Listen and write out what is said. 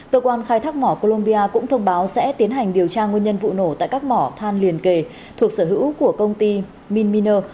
cơ quan khai thác mỏ columbia cũng thông báo sẽ tiến hành điều tra nguyên nhân vụ nổ tại các mỏ than liền kề thuộc sở hữu của công ty minina